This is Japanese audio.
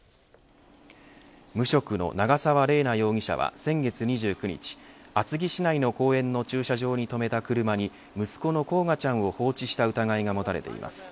無職の長沢麗奈容疑者は先月２９日厚木市内の公園の駐車場に止めた車に息子の煌翔ちゃんを放置した疑いが持たれています。